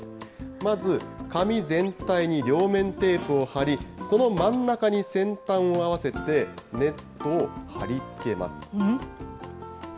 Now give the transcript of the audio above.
まず紙全体に両面テープを貼り、その真ん中に先端を合わせてネットを貼り付けます。